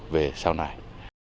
về sau này